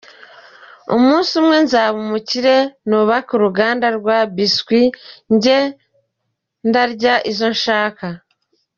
Umunsi umwe nzaba umukire nubake uruganda rwa biscuit njye ndarya izo nshaka.